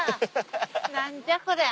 何じゃこりゃ！